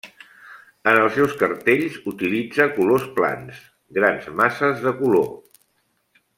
En els seus cartells utilitza colors plans, grans masses de color.